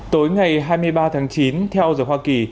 tối ngày hai mươi ba tháng chín theo giờ hoa kỳ